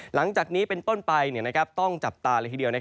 หลังจากนี้เป็นต้นไปต้องจับตาเลยทีเดียว